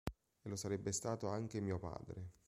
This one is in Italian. E lo sarebbe stato anche mio padre.